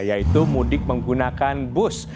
yaitu mudik menggunakan bus